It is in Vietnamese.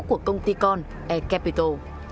của công ty con ecapital